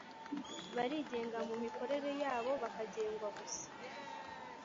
Barigenga mu mikorere yabo bakagengwa gusa